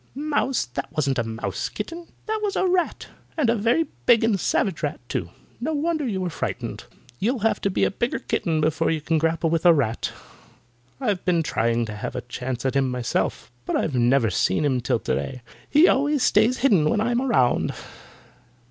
"Mouse! That wasn't a mouse, kitten! That was a rat, and a very big and savage rat, too. No wonder you were frightened. You'll have to be a bigger kitten before you can grapple with a rat. I've been trying to have a chance at him myself, but I've never even seen him till today. He always stays hidden when I'm around."